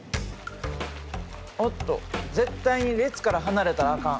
おっと絶対に列から離れたらアカン。